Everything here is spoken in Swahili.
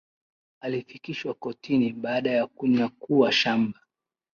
Alifikishwa kortini baada ya kunyakua shamba